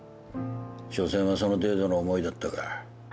しょせんはその程度の思いだったか。